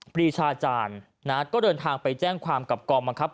ปรีชาจารณ์นะฮะก็เดินทางไปแจ้งความกับกรอบมันครับ